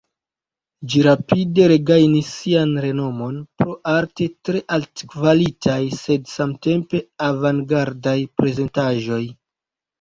Ĝi rapide regajnis sian renomon pro arte tre altkvalitaj sed samtempe avangardaj prezentaĵoj.